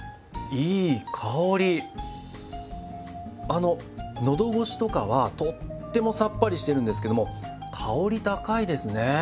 あの喉越しとかはとってもさっぱりしてるんですけども香り高いですね。